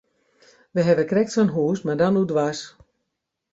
Wy hawwe krekt sa'n hús, mar dan oerdwers.